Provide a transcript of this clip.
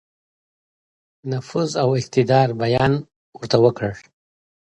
نفوذ او اقتدار بیان ورته وکړ.